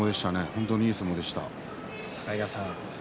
本当にいい相撲でした。